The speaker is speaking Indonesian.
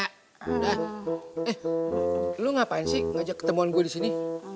eh lo ngapain sih ngajak ketemuan gue di sini